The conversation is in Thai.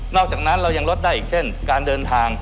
อกจากนั้นเรายังลดได้อีกเช่นการเดินทาง